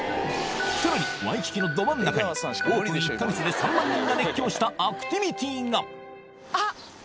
さらにワイキキのど真ん中にオープン１カ月で３万人が熱狂したアクティビティがあっ！